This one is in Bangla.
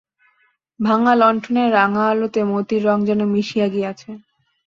ভাঙা লণ্ঠনের রাঙা আলোতে মতির রঙ যেন মিশিয়া গিয়াছে।